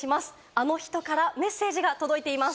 あの人からメッセージが届いています。